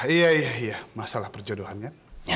iya iya masalah perjodohannya